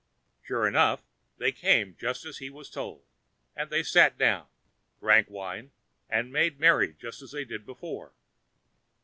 Sure enough, they came just as he was told, and they sat down, drank wine, and made merry just as they did before.